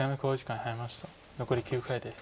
残り９回です。